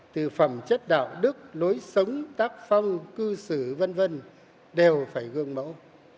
từ phẩm chất đạo đức lối sống tác phong cư xử vân vân đều phải gương mẫu